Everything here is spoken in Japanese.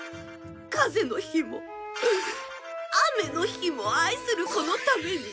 風の日も雨の日も愛する子のために。